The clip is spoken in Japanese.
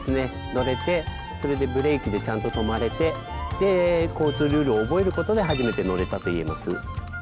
乗れてそれでブレーキでちゃんと止まれてで交通ルールを覚えることで初めて乗れたと言えます。